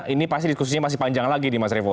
ini pasti diskusinya masih panjang lagi nih mas revo